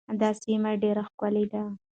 دا سیمه ډېره ښکلې ده.